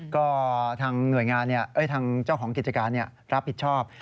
ก็ทางเจ้าของกิจการรับผิดชอบ